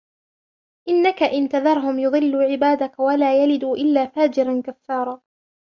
إِنَّكَ إِنْ تَذَرْهُمْ يُضِلُّوا عِبَادَكَ وَلَا يَلِدُوا إِلَّا فَاجِرًا كَفَّارًا